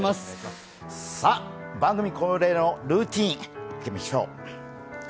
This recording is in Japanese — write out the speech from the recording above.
番組恒例のルーティン、いきましょう。